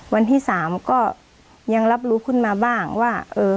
วันที่๓ก็ยังรับรู้ขึ้นมาบ้างว่า